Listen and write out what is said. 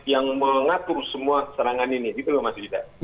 yang mengatur semua serangan ini gitu loh mas yuda